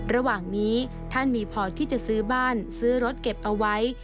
ระหว่างนี้ท่านมีพอที่จะซื้อบ้านซื้อรถเก็บเอาไว้